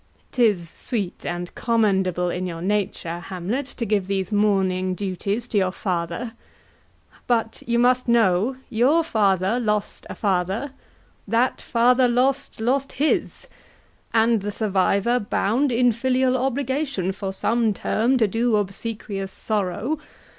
'Tis sweet and commendable in your nature, Hamlet, To give these mourning duties to your father; But you must know, your father lost a father, That father lost, lost his, and the survivor bound In filial obligation, for some term To do obsequious sorrow.